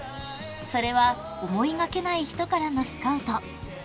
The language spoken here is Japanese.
［それは思いがけない人からのスカウト］